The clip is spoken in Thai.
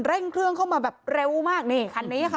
เร่งเครื่องเข้ามาแบบเร็วมากนี่คันนี้ค่ะ